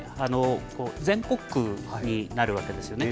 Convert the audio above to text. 全国区になるわけですよね。